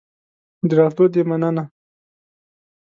د راتلو دي مننه